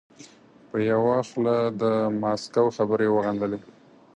په یوه خوله د ماسکو خبرې وغندلې.